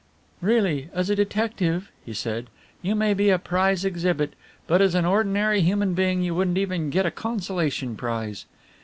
"Really, as a detective," he said, "you may be a prize exhibit, but as an ordinary human being you wouldn't even get a consolation prize.